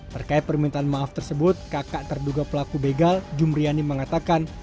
terkait permintaan maaf tersebut kakak terduga pelaku begal jumriani mengatakan